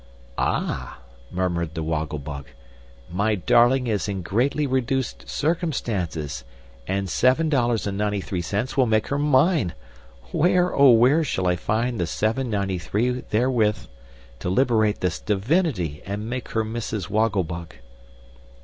"Ah!" murmured the Woggle Bug; "my darling is in greatly reduced circumstances, and $7.93 will make her mine! Where, oh where, shall I find the seven ninety three wherewith to liberate this divinity and make her Mrs. Woggle Bug?"